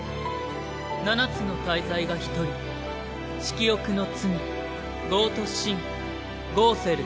七つの大罪が一人色欲の罪色欲の罪ゴウセル。